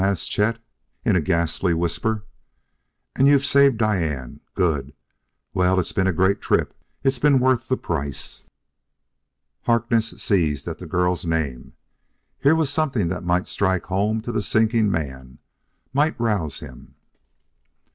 asked Chet in a ghastly whisper. "And you've saved Diane?... Good!... Well, it's been a great trip.... It's been worth the price...." Harkness seized at the girl's name. Here was something that might strike home to the sinking man; might rouse him.